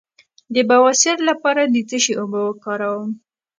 د بواسیر لپاره د څه شي اوبه وکاروم؟